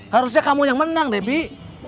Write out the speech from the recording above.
harusnya kamu yang menang debbie